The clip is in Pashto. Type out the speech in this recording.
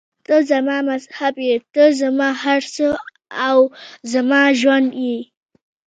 ته زما مذهب یې، ته زما هر څه او زما ژوند یې.